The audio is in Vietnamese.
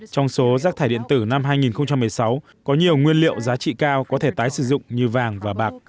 trong số rác thải điện tử năm hai nghìn một mươi sáu có nhiều nguyên liệu giá trị cao có thể tái sử dụng như vàng và bạc